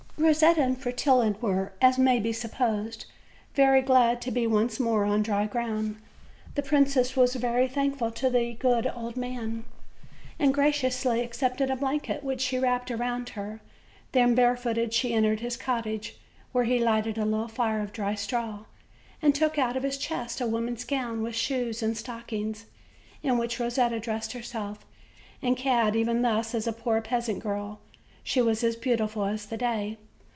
Rosetta and Fretillon were, as ma^ be supposed, very glad to be once more on dry ground. The princess was very thankful to the good old man, and graciously ac cepted a blanket, which she wrapped around her; then, barefooted, she entered his cottage, where he lighted a little fire of dry straw, and took out of his chest a wom an's gown, with shoes and stockings, in which Rosetta dressed herself; and clad even thus as a poor peasant girl, she was as beautiful as the day.